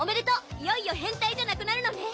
いよいよ変態じゃなくなるのね